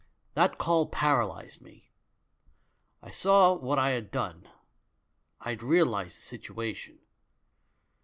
That call paralysed me. I saw what I had done, I realised the situation.